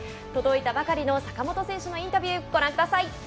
届いたばかりの坂本選手のインタビュー、ご覧ください。